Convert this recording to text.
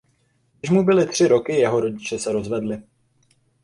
Když mu byly tři roky jeho rodiče se rozvedli.